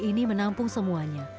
ksd ini menampung semuanya